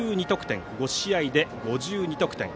５試合で５２得点。